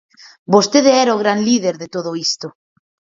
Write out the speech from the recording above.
Vostede era o gran líder de todo isto.